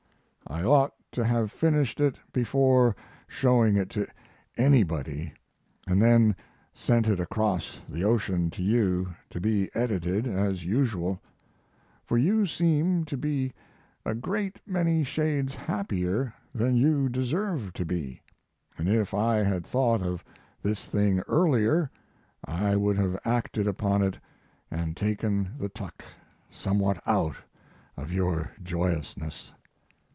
I ought to have finished it before showing it to anybody, and then sent it across the ocean to you to be edited, as usual; for you seem to be a great many shades happier than you deserve to be, and if I had thought of this thing earlier I would have acted upon it and taken the tuck somewhat out of your joyousness.